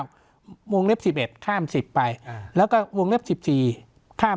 วงเล็บสิบเอ็ดข้ามสิบไปอ่าแล้วก็วงเล็บสิบสี่ข้าม